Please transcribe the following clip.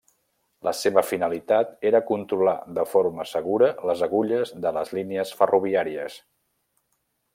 La seva finalitat era controlar de forma segura les agulles de les línies ferroviàries.